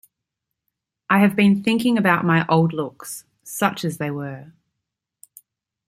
I have been thinking about my old looks — such as they were.